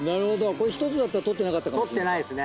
これ１つだったら撮ってなかったかもしれない。